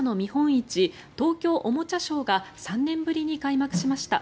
市東京おもちゃショーが３年ぶりに開幕しました。